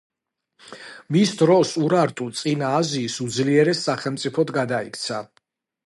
მის დროს ურარტუ წინა აზიის უძლიერეს სახელმწიფოდ გადაიქცა.